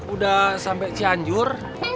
udah sampai cianjur